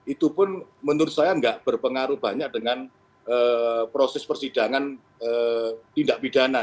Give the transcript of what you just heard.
itu pun menurut saya nggak berpengaruh banyak dengan proses persidangan tindak pidana